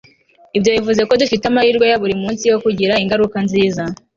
ibyo bivuze ko dufite amahirwe ya buri munsi yo kugira ingaruka nziza